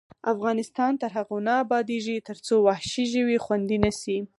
افغانستان تر هغو نه ابادیږي، ترڅو وحشي ژوي خوندي نشي.